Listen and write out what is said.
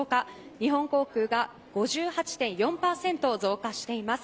日本航空が５８．４％増加しています。